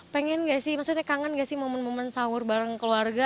pengen gak sih maksudnya kangen gak sih momen momen sahur bareng keluarga